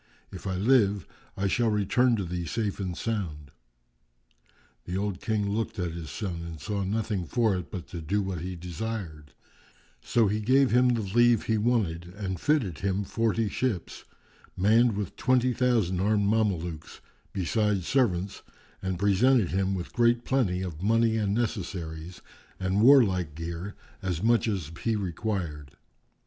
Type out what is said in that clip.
If I live I shall return to thee safe and sound." The old King looked at his son and saw nothing for it but to do what he desired; so he gave him the leave he wanted and fitted him forty ships, manned with twenty thousand armed Mamelukes, besides servants, and presented him with great plenty of money and necessaries and warlike gear, as much as he required.